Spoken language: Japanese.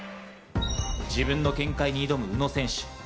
自分の限界に挑む宇野選手。